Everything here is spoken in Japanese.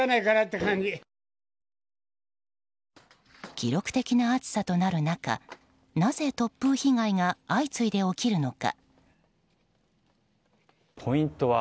記録的な暑さとなる中なぜ突風被害が相次いで起きるのか。